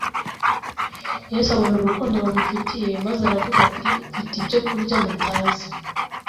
Yesu abona urukundo bamufitiye, maze aravuga ati, “Mfite ibyo kurya mutazi.”